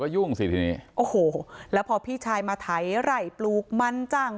ยุ่งสิทีนี้โอ้โหแล้วพอพี่ชายมาไถไหล่ปลูกมันจ้าง